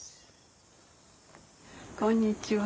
こんにちは。